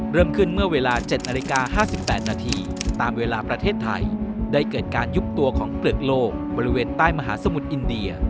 เริ่มขึ้นเมื่อเวลา๗นาฬิกา๕๘นาทีตามเวลาประเทศไทยได้เกิดการยุบตัวของเปลือกโลกบริเวณใต้มหาสมุทรอินเดีย